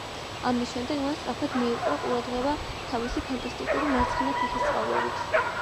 ამის შემდეგ მან სწრაფად მიიპყრო ყურადღება თავისი ფანტასტიკური მარცხენა ფეხის წყალობით.